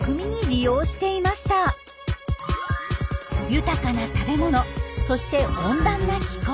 豊かな食べ物そして温暖な気候。